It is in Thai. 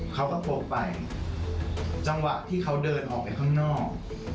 เขาก็โทรไปจังหวะที่เขาเดินออกไปข้างนอก